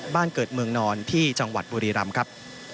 บ้านเกิดเมืองนอนที่จังหวัดบุรีรำครับ